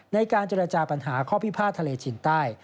ในการเจรจาปัญหาข้อพิพาททะเลจินใต้